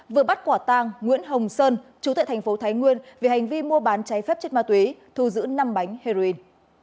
vừa bắt quả tang nguyễn hồng sơn chú tại thành phố thái nguyên vì hành vi mua bán cháy phép chất ma túy thu giữ năm bánh heroin